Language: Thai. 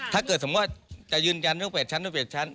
ถ้าเกิดจะยืนยันทั้ง๘ชั้น